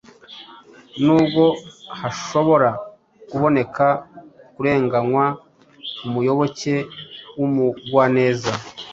Nubwo hashobora kuboneka kurenganywa, umuyoboke w’Umugwaneza